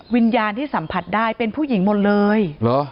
วิญญาณที่สัมผัสได้เป็นผู้หญิงหมดเลยเหรอ